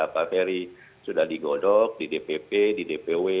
pak ferry sudah digodok di dpp di dpw